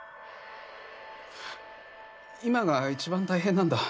今が一番大変なんだ。